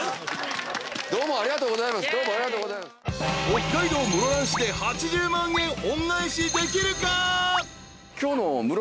［北海道室蘭市で８０万円恩返しできるか？］